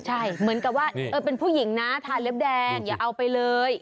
ใช่เหมือนกับว่าเป็นผู้หญิงนะทานเล็บแดงอย่าเอาไปเลย